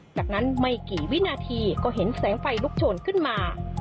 จากนั้นไม่กี่วินาทีก็เห็นแสงไฟลุกโชนขึ้นมา